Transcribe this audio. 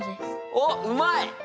おっうまい！